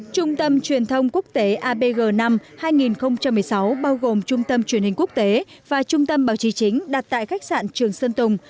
trung tâm truyền thông quốc tế abg năm hai nghìn một mươi sáu bao gồm trung tâm truyền hình quốc tế và trung tâm báo chí chính đặt tại khách sạn trường sơn tùng